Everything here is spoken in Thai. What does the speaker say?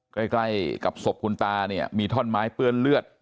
ใกล้กับศพคุณตาเนี่ยมีท่อนไม้เปื้อนเลือด